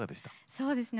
そうですね